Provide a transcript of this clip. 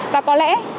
và có lẽ